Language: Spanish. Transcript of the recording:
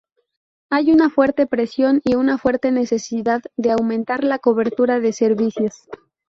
Hay una fuerte presión y una fuerte necesidad de aumentar la cobertura de servicios.